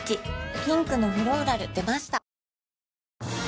ピンクのフローラル出ました